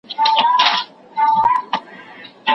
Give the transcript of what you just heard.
زه او ته به هم په لاره کي یاران سو